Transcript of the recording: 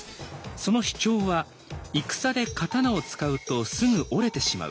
その主張は「戦で刀を使うとすぐ折れてしまう。